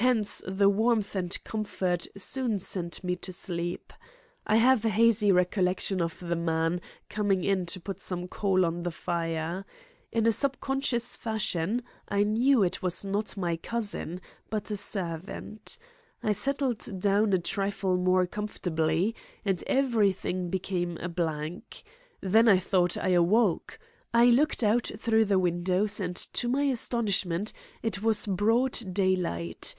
Hence the warmth and comfort soon sent me to sleep. I have a hazy recollection of the man coming in to put some coal on the fire. In a sub conscious fashion I knew that it was not my cousin, but a servant. I settled down a trifle more comfortably, and everything became a blank. Then I thought I awoke. I looked out through the windows, and, to my astonishment, it was broad daylight.